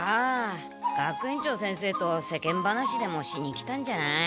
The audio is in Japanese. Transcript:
学園長先生と世間話でもしに来たんじゃない？